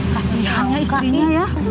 kasihannya istrinya ya